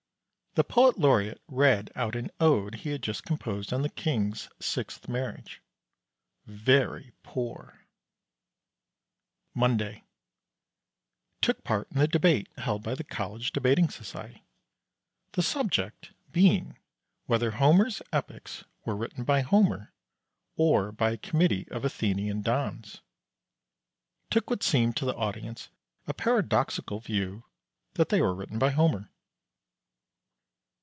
The poet laureate read out an Ode he had just composed on the King's sixth marriage. Very poor. Monday. Took part in the debate held by the College Debating Society. The subject being whether Homer's Epics were written by Homer or by a Committee of Athenian Dons. Took what seemed to the audience a paradoxical view that they were written by Homer.